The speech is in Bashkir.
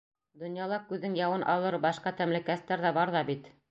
Донъяла күҙҙең яуын алыр башҡа тәмлекәстәр ҙә бар ҙа бит.